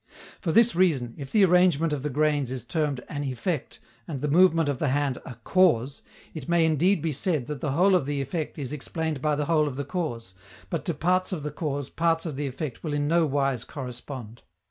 For this reason, if the arrangement of the grains is termed an "effect" and the movement of the hand a "cause," it may indeed be said that the whole of the effect is explained by the whole of the cause, but to parts of the cause parts of the effect will in no wise correspond.